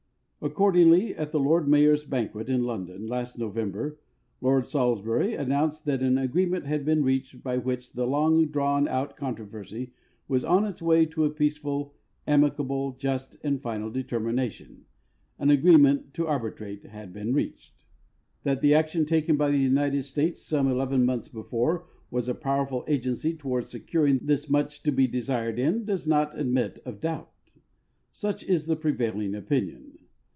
Accordingly, at the Lord Mayor's banquet in London last November, Lord Salisbury announced that an agreement had been reached by which the long drawn out controversy was on its way to a peaceful, amicable, just, and final determination ; an agreement to arbitrate had been reached. That the action taken by the United States some eleven months before was a powerful agency toward securing this much to be desired end does not admit of doubt. Such is the prevailing opinion.